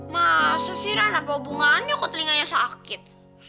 masa sih ran apa hubungannya kok telinganya sakit